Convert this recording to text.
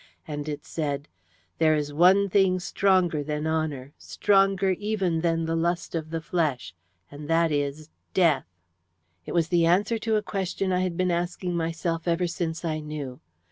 And it said, 'There is one thing stronger than honour, stronger even that the lust of the flesh, and that is Death.' "It was the answer to a question I had been asking myself ever since I knew.